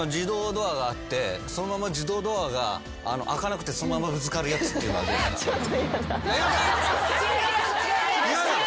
そのまま自動ドアが開かなくてそのままぶつかるやつっていうのはどう？